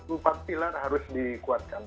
empat pilar harus dikuatkan